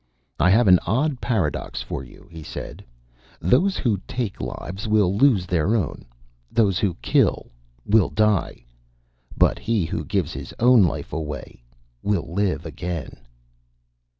"I have an odd paradox for you," he said. "Those who take lives will lose their own. Those who kill, will die. But he who gives his own life away will live again!"